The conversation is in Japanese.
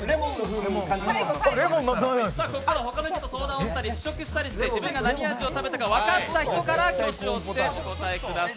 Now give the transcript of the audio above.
他の人と相談したり試食したりして自分が何味を食べたか分かった人から挙手をしてお答えください。